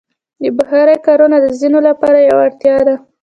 د بخارۍ کارونه د ځینو لپاره یوه اړتیا ده.